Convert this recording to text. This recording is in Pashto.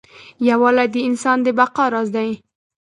یووالی د انسان د بقا راز دی.